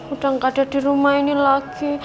udah gak ada di rumah ini lagi